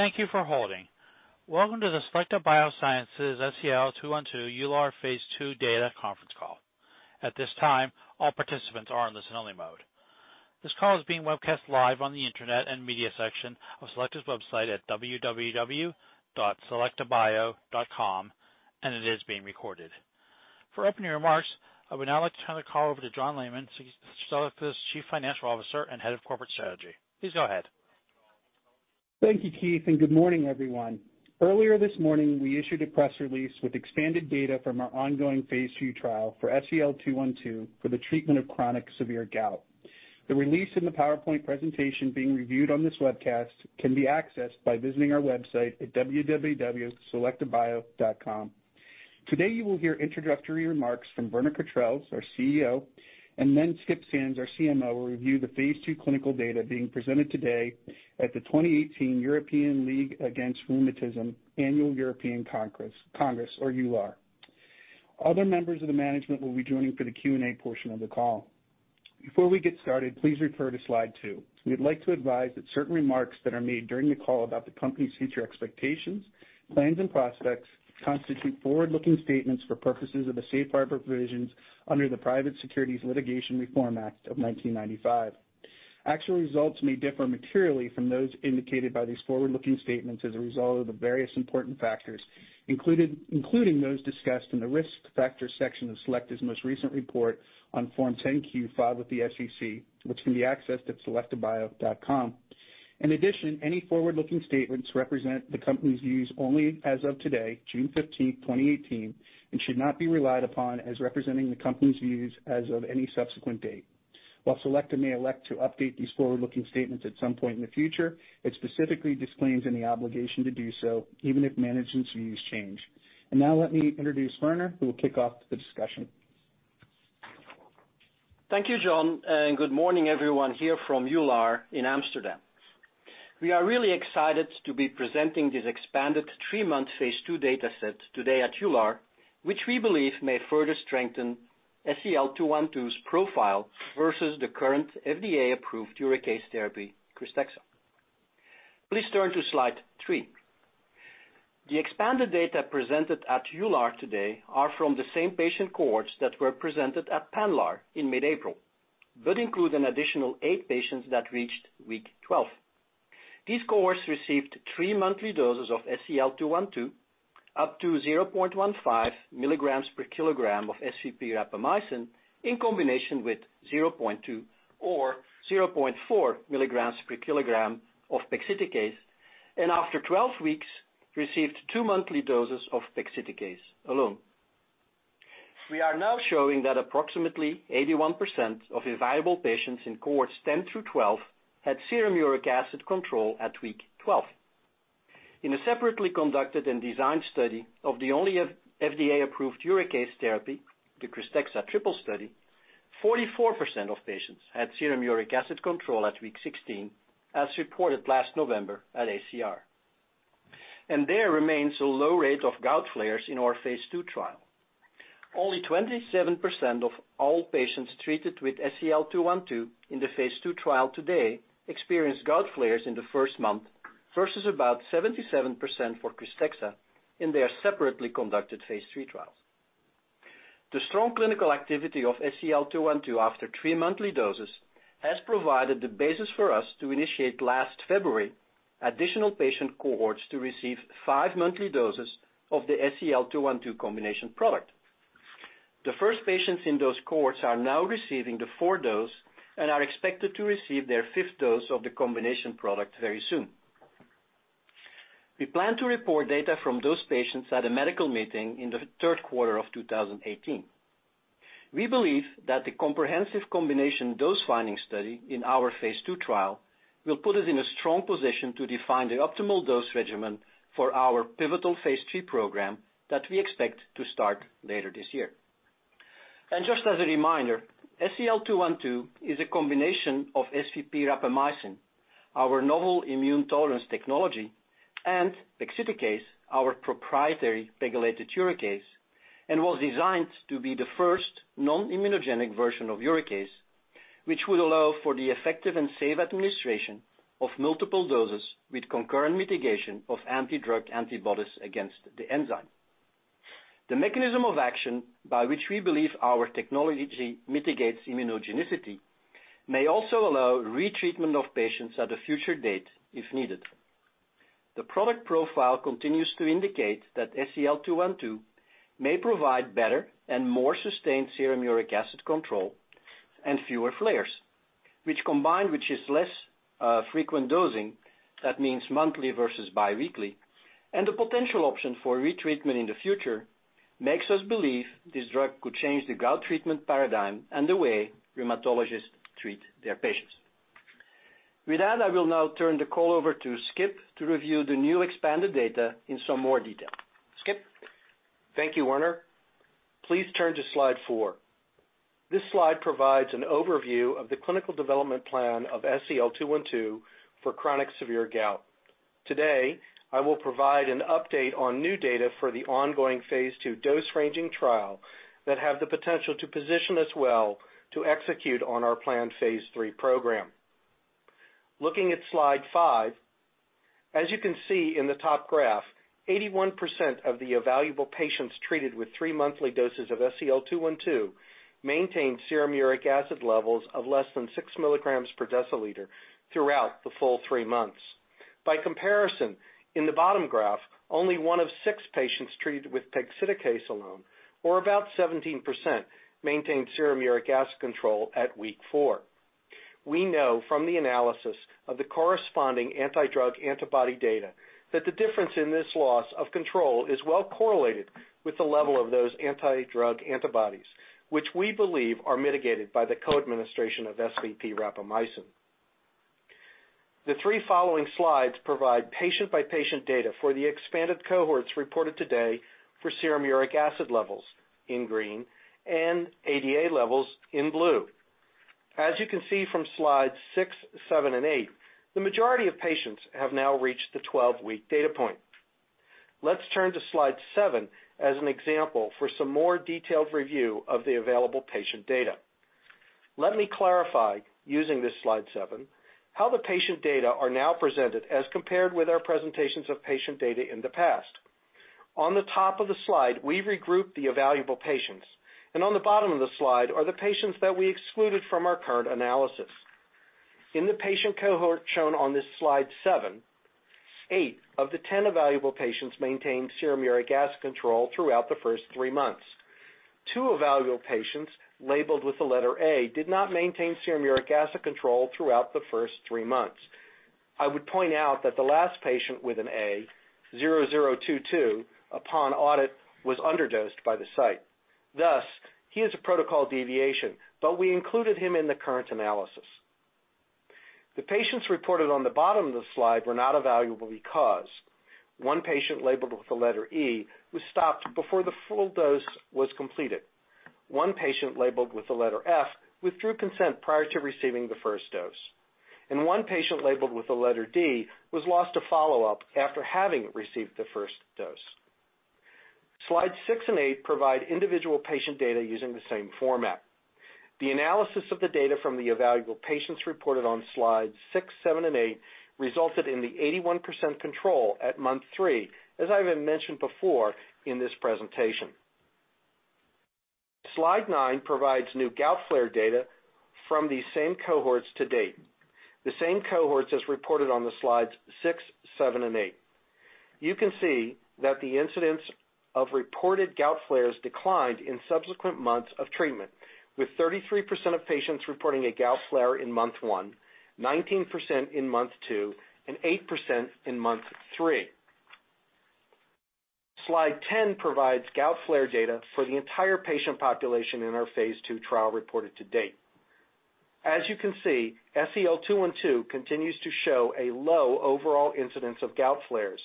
Thank you for holding. Welcome to the Selecta Biosciences SEL-212 EULAR phase II Data Conference Call. At this time, all participants are in listen-only mode. This call is being webcast live on the Internet and media section of selecta's website at www.selectabio.com, and it is being recorded. For opening remarks, I would now like to turn the call over to John Lehmann, Selecta's Chief Financial Officer and Head of Corporate Strategy. Please go ahead. Thank you, Keith, and good morning, everyone. Earlier this morning, we issued a press release with expanded data from our ongoing phase II trial for SEL-212 for the treatment of chronic severe gout. The release and the PowerPoint presentation being reviewed on this webcast can be accessed by visiting our website at www.selectabio.com. Today, you will hear introductory remarks from Werner Cautreels, our CEO, and Earl Sands, our CMO, will review the phase II clinical data being presented today at the 2018 European League Against Rheumatism Annual European Congress, or EULAR. Other members of the management will be joining for the Q&A portion of the call. Before we get started, please refer to Slide two. We'd like to advise that certain remarks that are made during the call about the company's future expectations, plans, and prospects constitute forward-looking statements for purposes of the safe harbor provisions under the Private Securities Litigation Reform Act of 1995. Actual results may differ materially from those indicated by these forward-looking statements as a result of the various important factors, including those discussed in the Risk Factors section of Selecta's most recent report on Form 10-Q filed with the SEC, which can be accessed at selectabio.com. In addition, any forward-looking statements represent the company's views only as of today, June 15th, 2018, and should not be relied upon as representing the company's views as of any subsequent date. While Selecta may elect to update these forward-looking statements at some point in the future, it specifically disclaims any obligation to do so, even if management's views change. Now let me introduce Werner, who will kick off the discussion. Thank you, John, good morning, everyone, here from EULAR in Amsterdam. We are really excited to be presenting this expanded three-month phase II data set today at EULAR, which we believe may further strengthen SEL-212's profile versus the current FDA-approved uricase therapy, KRYSTEXXA. Please turn to Slide 3. The expanded data presented at EULAR today are from the same patient cohorts that were presented at PANLAR in mid-April. That include an additional eight patients that reached week 12. These cohorts received three monthly doses of SEL-212, up to 0.15 milligrams per kilogram of SVP-rapamycin in combination with 0.2 or 0.4 milligrams per kilogram of pegloticase, and after 12 weeks, received two monthly doses of pegloticase alone. We are now showing that approximately 81% of evaluable patients in cohorts 10 through 12 had serum uric acid control at week 12. In a separately conducted and designed study of the only FDA-approved uricase therapy, the KRYSTEXXA pivotal study, 44% of patients had serum uric acid control at week 16, as reported last November at ACR. There remains a low rate of gout flares in our phase II trial. Only 27% of all patients treated with SEL-212 in the phase II trial today experienced gout flares in the first month, versus about 77% for KRYSTEXXA in their separately conducted phase III trials. The strong clinical activity of SEL-212 after three monthly doses has provided the basis for us to initiate last February, additional patient cohorts to receive five monthly doses of the SEL-212 combination product. The first patients in those cohorts are now receiving the fourth dose and are expected to receive their fifth dose of the combination product very soon. We plan to report data from those patients at a medical meeting in the third quarter of 2018. We believe that the comprehensive combination dose finding study in our phase II trial will put us in a strong position to define the optimal dose regimen for our pivotal phase III program that we expect to start later this year. Just as a reminder, SEL-212 is a combination of SVP-rapamycin, our novel immune tolerance technology, and pegloticase, our proprietary pegylated uricase, and was designed to be the first non-immunogenic version of uricase, which would allow for the effective and safe administration of multiple doses with concurrent mitigation of anti-drug antibodies against the enzyme. The mechanism of action by which we believe our technology mitigates immunogenicity may also allow re-treatment of patients at a future date if needed. The product profile continues to indicate that SEL-212 may provide better and more sustained serum uric acid control and fewer flares, which combined, which is less frequent dosing, that means monthly versus biweekly, and the potential option for re-treatment in the future makes us believe this drug could change the gout treatment paradigm and the way rheumatologists treat their patients. With that, I will now turn the call over to Skip to review the new expanded data in some more detail. Skip? Thank you, Werner. Please turn to Slide four. This slide provides an overview of the clinical development plan of SEL-212 for chronic severe gout. Today. I will provide an update on new data for the ongoing phase II dose-ranging trial that have the potential to position us well to execute on our planned phase III program. Looking at Slide five, as you can see in the top graph, 81% of the evaluable patients treated with three monthly doses of SEL-212 maintained serum uric acid levels of less than six milligrams per deciliter throughout the full three months. By comparison, in the bottom graph, only one of six patients treated with pegloticase alone, or about 17%, maintained serum uric acid control at week four. We know from the analysis of the corresponding anti-drug antibody data that the difference in this loss of control is well correlated with the level of those anti-drug antibodies, which we believe are mitigated by the co-administration of SVP-rapamycin. The three following slides provide patient-by-patient data for the expanded cohorts reported today for serum uric acid levels in green and ADA levels in blue. As you can see from Slides six, seven, and eight, the majority of patients have now reached the 12-week data point. Let's turn to Slide seven as an example for some more detailed review of the available patient data. Let me clarify using this Slide seven, how the patient data are now presented as compared with our presentations of patient data in the past. On the top of the slide, we've regrouped the evaluable patients, and on the bottom of the slide are the patients that we excluded from our current analysis. In the patient cohort shown on this Slide seven, eight of the 10 evaluable patients maintained serum uric acid control throughout the first three months. Two evaluable patients, labeled with the letter A, did not maintain serum uric acid control throughout the first three months. I would point out that the last patient with an A, 0022, upon audit, was underdosed by the site, thus he is a protocol deviation, but we included him in the current analysis. The patients reported on the bottom of the slide were not evaluable because one patient, labeled with the letter E, was stopped before the full dose was completed. One patient, labeled with the letter F, withdrew consent prior to receiving the first dose. One patient, labeled with the letter D, was lost to follow-up after having received the first dose. Slides six and eight provide individual patient data using the same format. The analysis of the data from the evaluable patients reported on slides six, seven, and eight resulted in the 81% control at month three, as I have mentioned before in this presentation. Slide nine provides new gout flare data from these same cohorts to date, the same cohorts as reported on the slides six, seven, and eight. You can see that the incidence of reported gout flares declined in subsequent months of treatment, with 33% of patients reporting a gout flare in month one, 19% in month two, and 8% in month three. Slide 10 provides gout flare data for the entire patient population in our phase II trial reported to date. As you can see, SEL-212 continues to show a low overall incidence of gout flares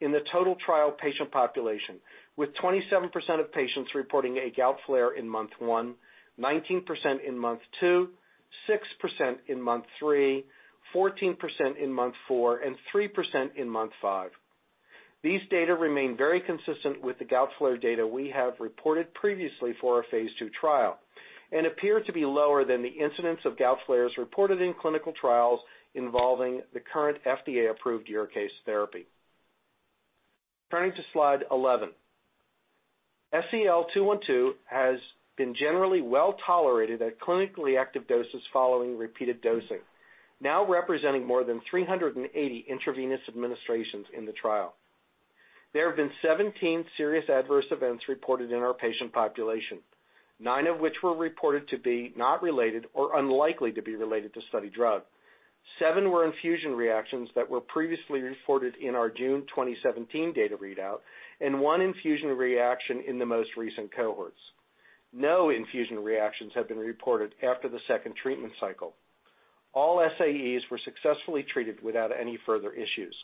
in the total trial patient population, with 27% of patients reporting a gout flare in month one, 19% in month two, 6% in month three, 14% in month four, and 3% in month five. These data remain very consistent with the gout flare data we have reported previously for our phase II trial and appear to be lower than the incidence of gout flares reported in clinical trials involving the current FDA-approved uricase therapy. Turning to slide 11. SEL-212 has been generally well-tolerated at clinically active doses following repeated dosing, now representing more than 380 intravenous administrations in the trial. There have been 17 serious adverse events reported in our patient population, nine of which were reported to be not related or unlikely to be related to study drug. Seven were infusion reactions that were previously reported in our June 2017 data readout, and one infusion reaction in the most recent cohorts. No infusion reactions have been reported after the second treatment cycle. All SAEs were successfully treated without any further issues.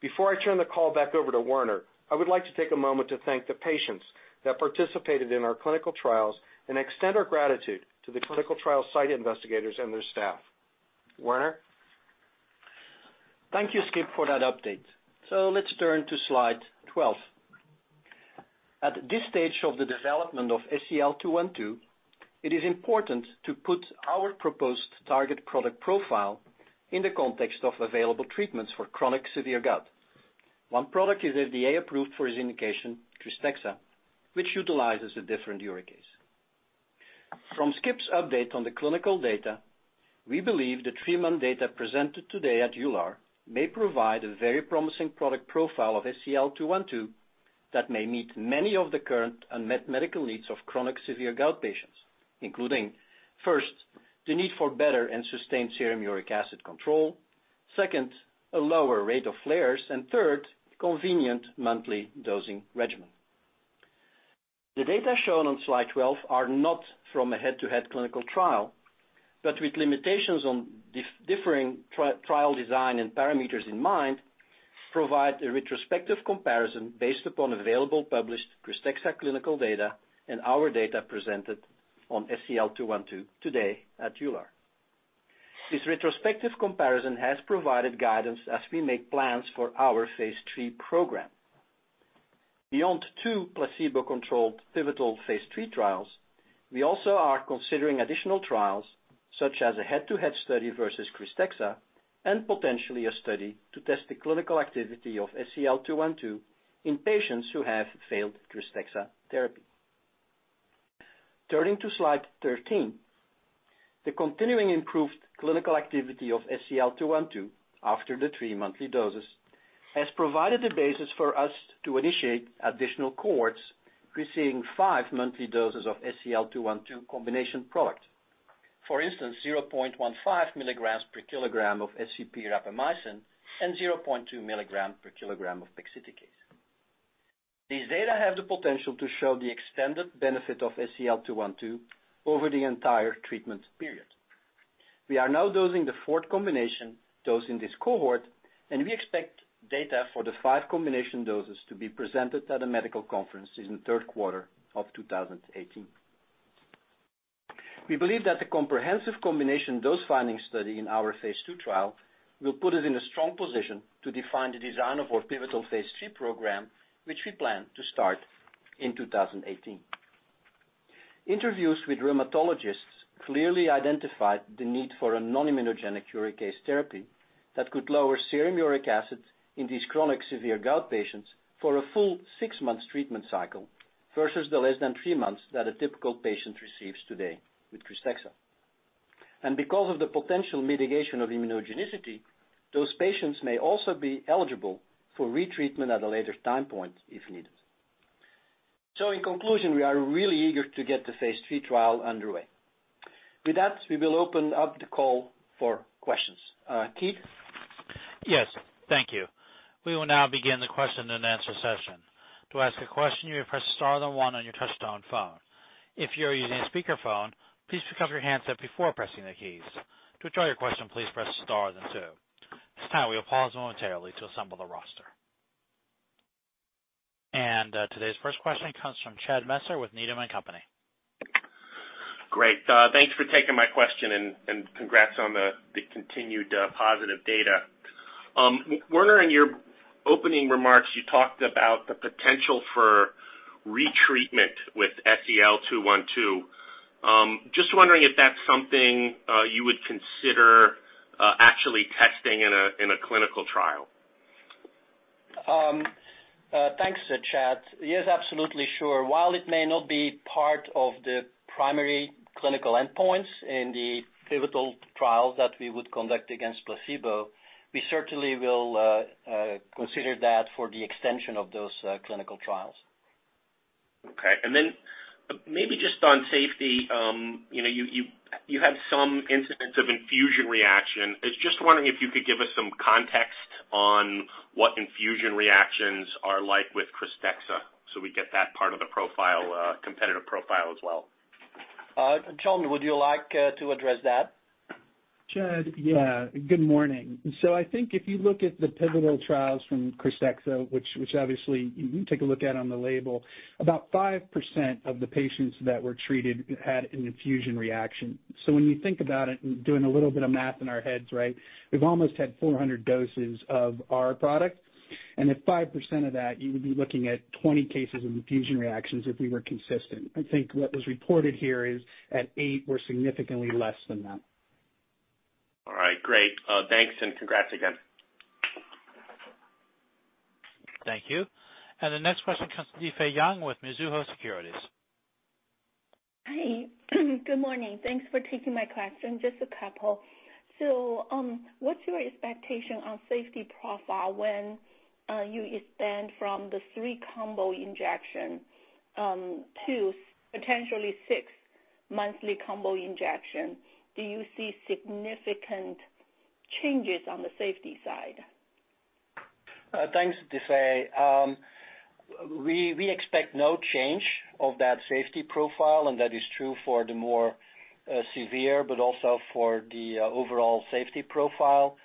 Before I turn the call back over to Werner, I would like to take a moment to thank the patients that participated in our clinical trials and extend our gratitude to the clinical trial site investigators and their staff. Werner? Thank you, Skip, for that update. Let's turn to slide 12. At this stage of the development of SEL-212, it is important to put our proposed target product profile in the context of available treatments for chronic severe gout. One product is FDA-approved for this indication, KRYSTEXXA, which utilizes a different uricase. From Skip's update on the clinical data, we believe the three-month data presented today at EULAR may provide a very promising product profile of SEL-212 that may meet many of the current unmet medical needs of chronic severe gout patients, including, first, the need for better and sustained serum uric acid control, second, a lower rate of flares, and third, convenient monthly dosing regimen. The data shown on slide 12 are not from a head-to-head clinical trial, but with limitations on differing trial design and parameters in mind, provide a retrospective comparison based upon available published KRYSTEXXA clinical data and our data presented on SEL-212 today at EULAR. This retrospective comparison has provided guidance as we make plans for our phase III program. Beyond two placebo-controlled pivotal phase III trials, we also are considering additional trials, such as a head-to-head study versus KRYSTEXXA, and potentially a study to test the clinical activity of SEL-212 in patients who have failed KRYSTEXXA therapy. Turning to slide 13. The continuing improved clinical activity of SEL-212 after the three monthly doses has provided the basis for us to initiate additional cohorts receiving five monthly doses of SEL-212 combination product. For instance, 0.15 milligrams per kilogram of SVP-rapamycin and 0.2 milligrams per kilogram of pegloticase. These data have the potential to show the extended benefit of SEL-212 over the entire treatment period. We are now dosing the fourth combination dose in this cohort, and we expect data for the five combination doses to be presented at a medical conference in the third quarter of 2018. We believe that the comprehensive combination dose finding study in our phase II trial will put us in a strong position to define the design of our pivotal phase III program, which we plan to start in 2018. Interviews with rheumatologists clearly identified the need for a non-immunogenic uricase therapy that could lower serum uric acid in these chronic severe gout patients for a full six months treatment cycle versus the less than three months that a typical patient receives today with KRYSTEXXA. Because of the potential mitigation of immunogenicity, those patients may also be eligible for retreatment at a later time point if needed. In conclusion, we are really eager to get the phase III trial underway. With that, we will open up the call for questions. Keith? Yes. Thank you. We will now begin the question and answer session. To ask a question, you will press star then one on your touchtone phone. If you are using a speakerphone, please pick up your handset before pressing the keys. To withdraw your question, please press star then two. At this time, we will pause momentarily to assemble the roster. Today's first question comes from Chad Messer with Needham & Company. Great. Thanks for taking my question, congrats on the continued positive data. Werner, in your opening remarks, you talked about the potential for retreatment with SEL-212. Just wondering if that's something you would consider actually testing in a clinical trial. Thanks, Chad. Yes, absolutely sure. While it may not be part of the primary clinical endpoints in the pivotal trial that we would conduct against placebo, we certainly will consider that for the extension of those clinical trials. Okay. Then maybe just on safety, you had some incidents of infusion reaction. I was just wondering if you could give us some context on what infusion reactions are like with KRYSTEXXA, so we get that part of the competitive profile as well. John, would you like to address that? Chad. Good morning. I think if you look at the pivotal trials from KRYSTEXXA, which obviously you can take a look at on the label, about 5% of the patients that were treated had an infusion reaction. When you think about it, and doing a little bit of math in our heads, right, we've almost had 400 doses of our product. At 5% of that, you would be looking at 20 cases of infusion reactions if we were consistent. I think what was reported here is at eight, we're significantly less than that. All right. Great. Thanks and congrats again. Thank you. The next question comes from Difei Yang with Mizuho Securities. Hi. Good morning. Thanks for taking my question, just a couple. What's your expectation on safety profile when you expand from the three-combo injection to potentially six-monthly combo injection? Do you see significant changes on the safety side? Thanks, Difei. We expect no change of that safety profile, and that is true for the more severe, but also for the overall safety profile.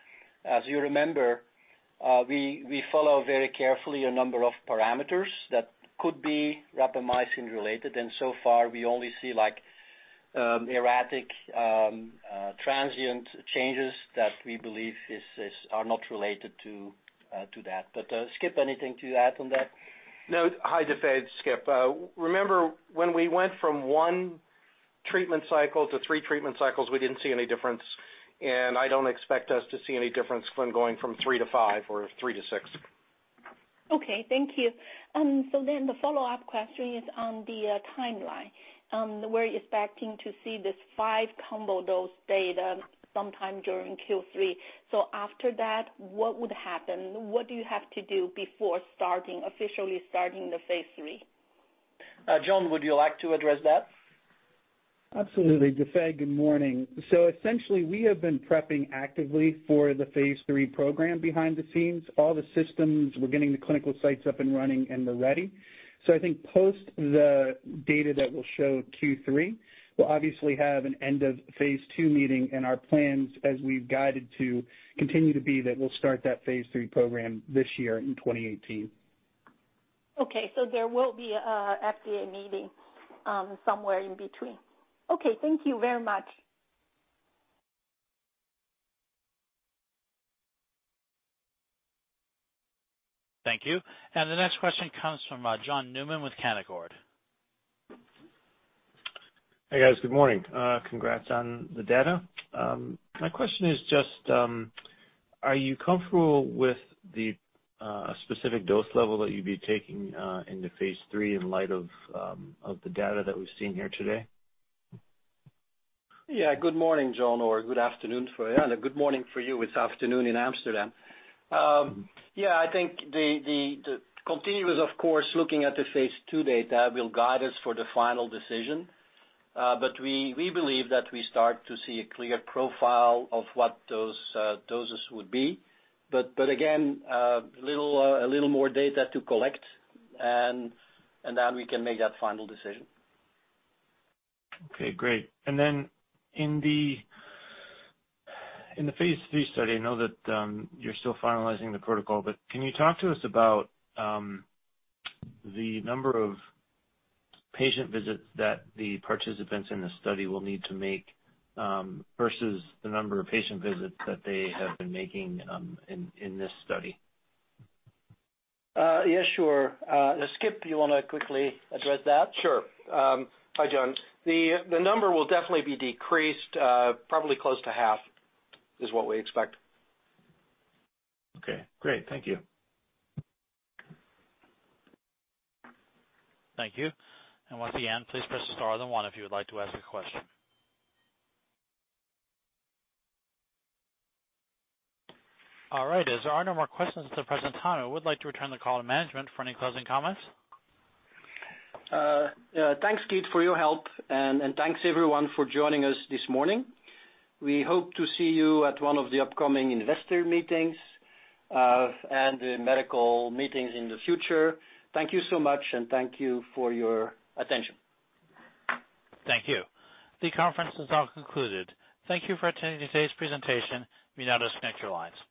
As you remember, we follow very carefully a number of parameters that could be rapamycin-related, and so far, we only see erratic, transient changes that we believe are not related to that. Skip, anything to add on that? No. Hi, Difei. It's Skip. Remember, when we went from one treatment cycle to three treatment cycles, we didn't see any difference, and I don't expect us to see any difference from going from three to five or three to six. Okay. Thank you. The follow-up question is on the timeline. We're expecting to see this five-combo dose data sometime during Q3. After that, what would happen? What do you have to do before officially starting the phase III? John, would you like to address that? Absolutely. Difei, good morning. Essentially, we have been prepping actively for the phase III program behind the scenes. All the systems, we're getting the clinical sites up and running, and we're ready. I think post the data that we'll show Q3, we'll obviously have an end of phase II meeting, and our plans, as we've guided to, continue to be that we'll start that phase III program this year in 2018. There will be a FDA meeting somewhere in between. Okay, thank you very much. Thank you. The next question comes from John Newman with Canaccord. Hey, guys. Good morning. Congrats on the data. My question is just, are you comfortable with the specific dose level that you'd be taking into phase III in light of the data that we've seen here today? Yeah. Good morning, John, or good afternoon for you. A good morning for you. It's afternoon in Amsterdam. Yeah, I think the continuous, of course, looking at the phase II data will guide us for the final decision. We believe that we start to see a clear profile of what those doses would be. Again, a little more data to collect, and then we can make that final decision. Okay, great. Then in the phase III study, I know that you're still finalizing the protocol, can you talk to us about the number of patient visits that the participants in this study will need to make, versus the number of patient visits that they have been making in this study? Yeah, sure. Skip, do you want to quickly address that? Sure. Hi, John. The number will definitely be decreased, probably close to half is what we expect. Okay, great. Thank you. Thank you. Once again, please press star then one if you would like to ask a question. All right. As there are no more questions at the present time, I would like to return the call to management for any closing comments. Thanks, Keith, for your help, and thanks everyone for joining us this morning. We hope to see you at one of the upcoming investor meetings, and the medical meetings in the future. Thank you so much, and thank you for your attention. Thank you. The conference is now concluded. Thank you for attending today's presentation. You may now disconnect your lines.